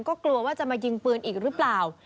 ก็กลัวว่าจะมายิงปืนอีกหรือเปล่า